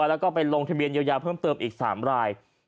แล้วก็ไปลงทะเบียนเยียวยาเพิ่มเติมอีก๓ราย